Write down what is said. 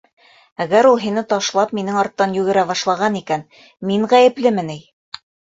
Әгәр ул һине ташлап, минең арттан йүгерә башлаған икән, мин ғәйеплеме ни?